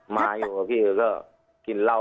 มาอยู่กับพี่ก็กินเหล้า